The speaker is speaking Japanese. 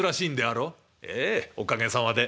「ええおかげさまで。